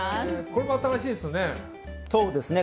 これも新しいですね。